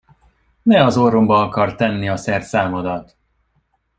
Ne az orromba akard tenni a szerszámodat!